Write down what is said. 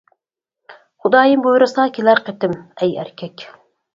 خۇدايىم بۇيرۇسا كېلەر قېتىم. ئەي ئەركەك!